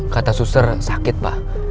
kata suser sakit pak